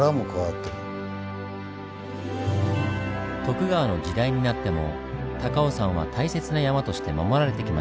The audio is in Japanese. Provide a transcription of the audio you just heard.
徳川の時代になっても高尾山は大切な山として守られてきました。